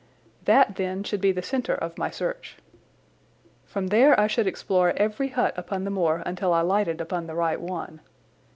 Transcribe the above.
That, then, should be the centre of my search. From there I should explore every hut upon the moor until I lighted upon the right one.